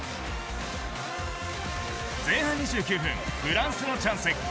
前半２９分フランスのチャンス